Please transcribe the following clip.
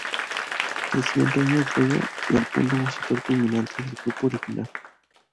El siguiente año fue el punto musical culminante del grupo original.